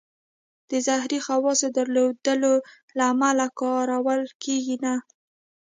د زهري خواصو درلودلو له امله کارول کېږي نه.